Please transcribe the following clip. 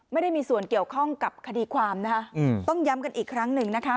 ไม่ได้มีส่วนเกี่ยวข้องกับคดีความนะคะต้องย้ำกันอีกครั้งหนึ่งนะคะ